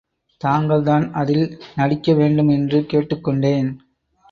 தாங்கள்தான் அதில் நடிக்க வேண்டும் என்று கேட்டுக் கொண்டேன்.